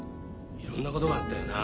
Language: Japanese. いろんなことがあったよな